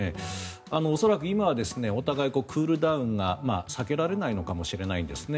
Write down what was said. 恐らく今はお互いクールダウンが避けられないのかもしれないんですね。